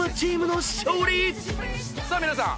さあ皆さん